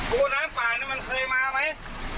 ว่าน้ำป่านี่มันเคยมาไหม